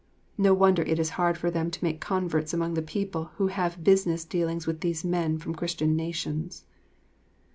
No wonder it is hard for them to make converts among the people who have business dealings with these men from Christian nations.